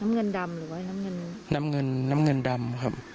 เงินดำหรือว่าน้ำเงินน้ำเงินน้ำเงินดำครับ